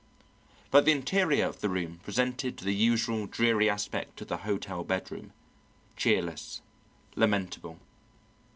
But the interior of the room presented the usual dreary aspect of the hotel bedroom cheerless, lamentable.